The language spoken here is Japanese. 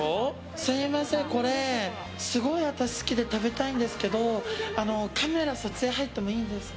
すみません、これすごい私、好きで食べたいんですけどカメラ、撮影入ってもいいですか？